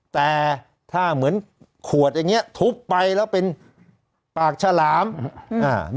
แต่ถ้าเหมือนขวดอย่างนี้ทุบไปแล้วเป็นปากฉลาม